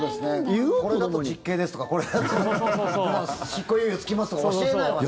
これだと実刑ですとかこれだと執行猶予つきますとか教えないわね。